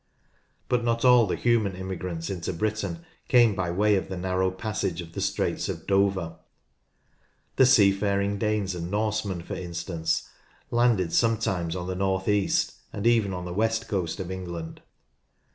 But not all the human immigrants into Britain came by way of the narrow passage of the Straits of Dover. The sea faring Danes and Norsemen, for instance, landed sometimes on the north east and even on the west coast of England.